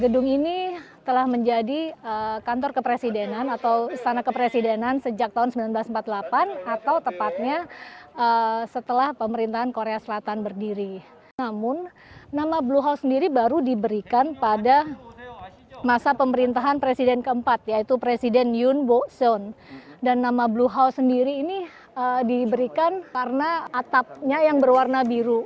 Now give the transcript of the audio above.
diberikan karena atapnya yang berwarna biru atau disebut gyeongwade